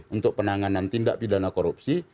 untuk penanganan tindak pidana korupsi